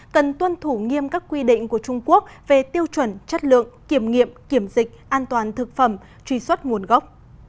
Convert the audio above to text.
cần tuân thủ nghiêm các quy định của trung quốc về tiêu chuẩn chất lượng kiểm nghiệm kiểm dịch an toàn thực phẩm truy xuất nguồn gốc